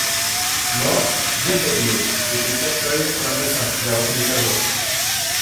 Mort ? Bien, Cadio !… C'était Tirefeuille, ton assassin, j'ai reconnu sa voix.